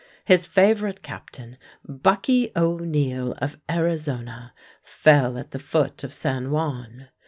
His favorite captain, "Bucky" O'Neill of Arizona, fell at the foot of San Juan.